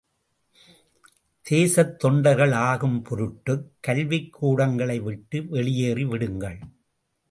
தேசத் தொண்டர்கள் ஆகும் பொருட்டுக் கல்விக்கூடங்களை விட்டு வெளியேறி விடுங்கள்.